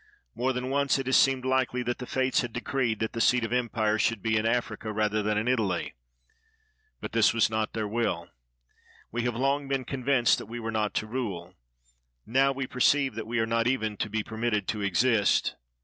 IMore than once it has seemed likely that the Fates had decreed that the seat of empire should be in Africa rather than in Italy. But this was not their will. We have long been con vinced that we were not to rule; we now perceive that we are not even to be permitted to exist.